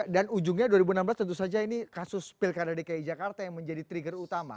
dan ujungnya dua ribu enam belas tentu saja ini kasus pilkada dki jakarta yang menjadi trigger utama